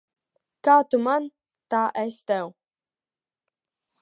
Kā tu man, tā es tev.